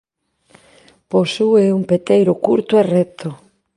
Posúe un peteiro curto e recto.